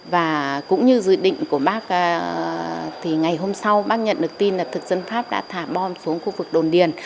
và cũng như dự định của bác thì ngày hôm sau bác nhận được tin là thực dân pháp đã thả bom xuống khu vực đồn điền